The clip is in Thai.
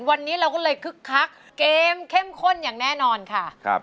วันนี้เราก็เลยคึกคักเกมเข้มข้นอย่างแน่นอนค่ะครับ